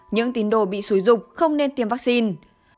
những tín đồ bị xúi dục không nên tiêm vaccine